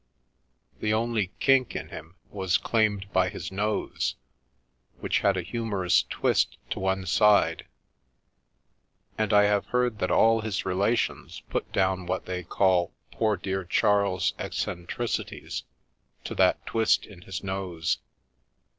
The only kink in him was claimed by his nose, which had a humorous twist to one side, and I have heard that all his relations put down what they call " poor dear Charles' eccentrici ties " to that twist in his nose.